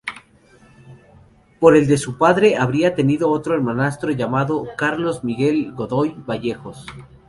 Por el de su padre, habría tenido otro hermanastro, llamado Carlos Miguel Godoy Vallejos.